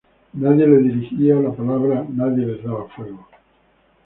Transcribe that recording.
Nadie les dirigía la palabra, nadie les daba fuego.